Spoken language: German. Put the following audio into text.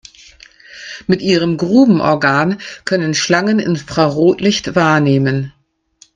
Mit ihrem Grubenorgan können Schlangen Infrarotlicht wahrnehmen.